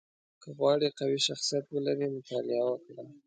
• که غواړې قوي شخصیت ولرې، مطالعه وکړه.